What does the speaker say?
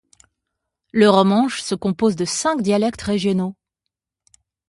Le romanche se compose de cinq dialectes régionaux.